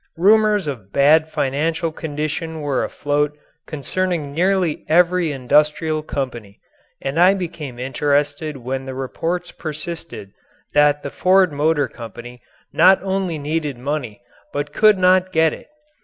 Rumours of bad financial condition were afloat concerning nearly every industrial company, and I became interested when the reports persisted that the Ford Motor Company not only needed money but could not get it.